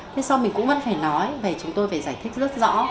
thế sao mình cũng vẫn phải nói chúng tôi phải giải thích rất rõ